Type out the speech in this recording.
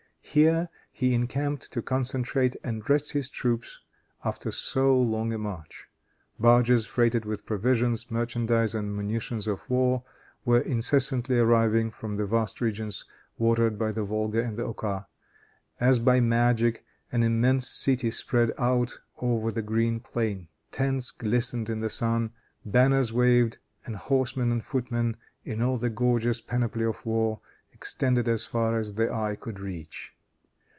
Here he encamped to concentrate and rest his troops after so long a march. Barges freighted with provisions, merchandise and munitions of war, were incessantly arriving from the vast regions watered by the Volga and the Oka. As by magic an immense city spread out over the green plain. Tents glistened in the sun, banners waved, and horsemen and footmen, in all the gorgeous panoply of war, extended as far as the eye could reach.